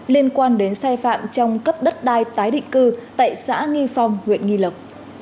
liên quan đến sai phạm trong cấp đất đai tái định cư tại xã nghi phong huyện nghi lộc